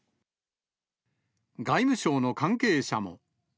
外務省の関係者も。